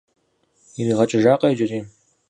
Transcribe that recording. Иригъэкӏыжакъэ иджыри?